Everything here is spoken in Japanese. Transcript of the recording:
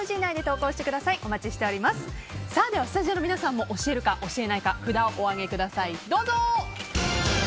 スタジオの皆さんも教えるか、教えないか札をお上げください。